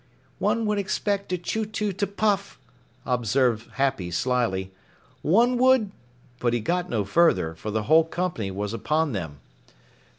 "One would expect a Chew Chew to puff," observed Happy slyly. "One would " But he got no further, for the whole company was upon them.